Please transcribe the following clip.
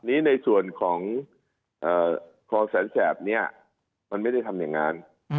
ในส่วนของคลองแสนแสบเนี่ยมันไม่ได้ทำอย่างนั้น